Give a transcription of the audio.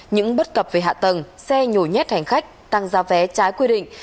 những bất cập về hạ tầng xe nhồi nhét hành khách tăng giá vé trái quy định